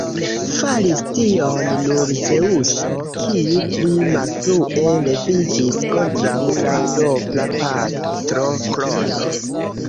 Faris tion nur Zeŭso, kiu pli malfrue leviĝis kontraŭ la propra patro Krono.